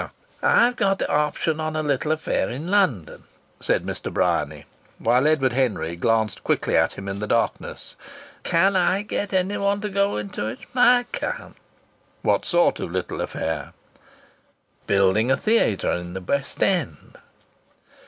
"Now, I've got the option on a little affair in London," said Mr. Bryany, while Edward Henry glanced quickly at him in the darkness. "And can I get anybody to go into it? I can't." "What sort of a little affair?" "Building a theatre in the West End."